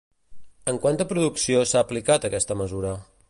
En quanta producció s'ha aplicat aquesta mesura?